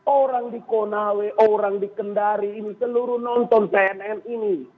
orang di konawe orang di kendari ini seluruh nonton cnn ini